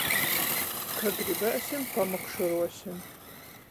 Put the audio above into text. Ka gribēsim, pamokšoruosim.